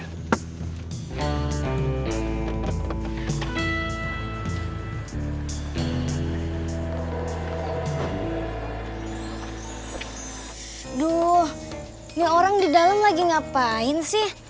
aduh ini orang di dalam lagi ngapain sih